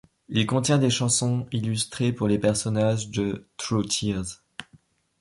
Il contient des chansons illustrées pour les personnages de True Tears.